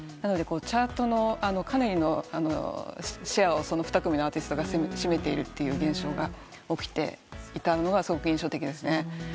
チャートのかなりのシェアをその２組のアーティストが占めているという現象が起きていたのがすごく印象的ですね。